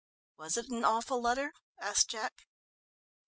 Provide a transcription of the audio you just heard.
"Was it an awful letter?" asked Jack.